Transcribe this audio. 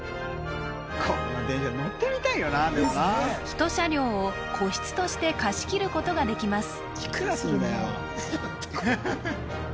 一車両を個室として貸し切ることができます